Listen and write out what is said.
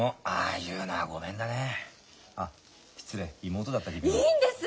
いいんです。